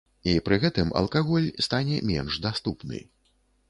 І пры гэтым алкаголь стане менш даступны.